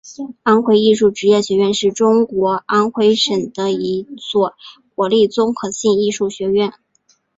安徽艺术职业学院是中国安徽省的一所国立综合性艺术学院。